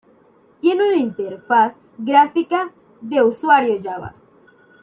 Tiene una interfaz gráfica de usuario Java.